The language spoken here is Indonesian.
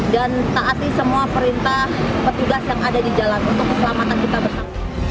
dan taati semua perintah petugas yang ada di jalan untuk keselamatan kita bersama